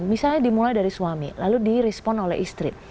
misalnya dimulai dari suami lalu di respon oleh istri